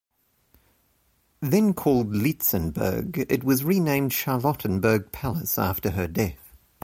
Then called "Lietzenburg", it was renamed Charlottenburg Palace after her death.